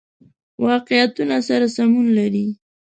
واقعیتونو سره سمون لري.